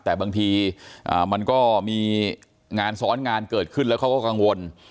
แต่บางทีมันก็มีงานซ้อนงานเกิดขึ้นแล้วเขาก็กังวล